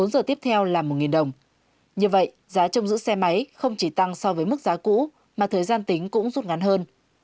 bốn giờ tiếp theo là một đồng như vậy giá trong giữ xe máy không chỉ tăng so với mức giá cũ mà thời gian tính cũng rút ngắn hơn